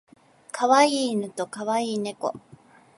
可愛い犬と可愛い猫